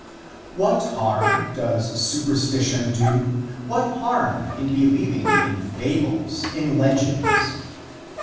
What harm does superstition do? What harm in believing in fables, in legends?